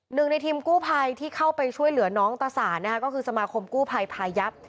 หนึ่งในทีมกู้ภัยที่เข้าไปช่วยเหลือน้องตะสานนะคะก็คือสมาคมกู้ภัยพายับ